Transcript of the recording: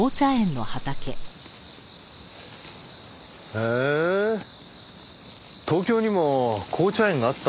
へえ東京にも紅茶園があったんですね。